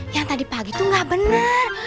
yang tadi pagi tuh gak bener